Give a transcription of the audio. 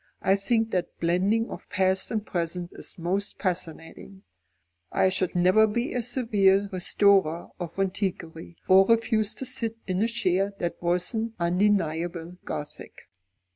I think that blending of past and present is most fascinating. I should never be a severe restorer of antiquity, or refuse to sit in a chair that wasn't undeniably Gothic."